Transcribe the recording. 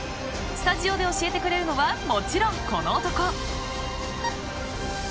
スタジオで教えてくれるのはもちろん、この男。